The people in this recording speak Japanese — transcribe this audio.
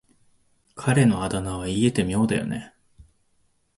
彼のあだ名は言い得て妙だよね。